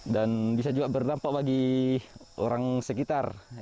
dan bisa juga berdampak bagi orang sekitar